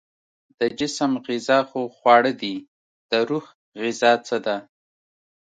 د جسم غذا خو خواړه دي، د روح غذا څه ده؟